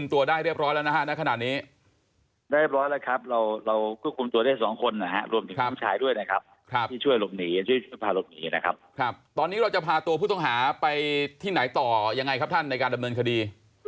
ตอนนี้เราจะพาตัวผู้ต้องหาไปที่ไหนต่อยังไงครับท่านในการดำเนินคดี